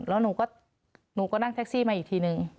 แล้วหนูก็นั่งแท็กซี่มาอีกทีนึง